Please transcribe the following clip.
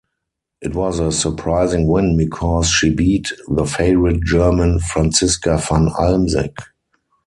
It was a surprising win because she beat the favorite German Franziska van Almsick.